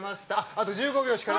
あと１５秒しかない。